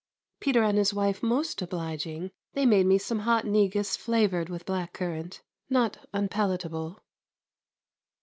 Peter and his wife most obliging. They made me some hot negus flavoured with black currant, not unpalatable.